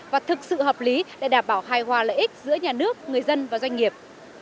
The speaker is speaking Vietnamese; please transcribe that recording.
và thực sự hợp lý để đảm bảo hài hòa lợi ích giữa nhà nước người dân và doanh nghiệp